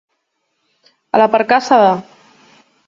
A la percaça de.